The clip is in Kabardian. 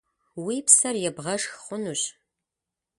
Уи псэр ебгъэшх хъунщ.